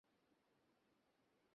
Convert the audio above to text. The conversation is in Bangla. উত্তমমধ্যম হয় না।